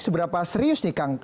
seberapa serius nih kang